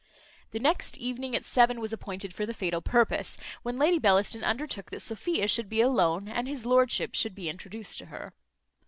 The next evening at seven was appointed for the fatal purpose, when Lady Bellaston undertook that Sophia should be alone, and his lordship should be introduced to her.